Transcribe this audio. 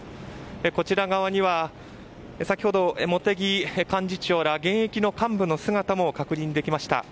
こちら側には、先ほど茂木幹事長ら現役の幹部の姿も確認できました。